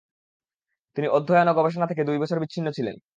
তিনি অধ্যয়ন ও গবেষণা থেকে দুই বছর বিছিন্ন ছিলেন।